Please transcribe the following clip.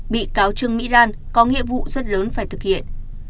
bị cáo trương mỹ lan có nghĩa vụ rất lớn phải thực hiện